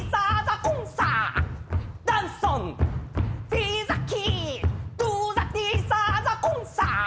フィーザキートゥーザテーサーザコンサ！